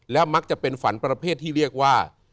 และมักจะเป็นฝันประเภทที่เรียกว่า